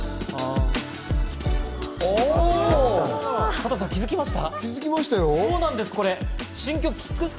加藤さん気づきました？